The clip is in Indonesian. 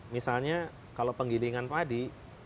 misalnya kalau penggilingan padi